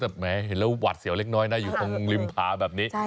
แต่แม้เห็นแล้วหวาดเสียวเล็กน้อยนะอยู่ตรงริมผาแบบนี้